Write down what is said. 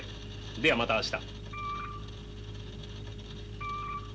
ではまた明日。